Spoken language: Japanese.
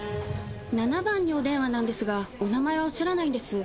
７番にお電話なんですがお名前をおっしゃらないんです。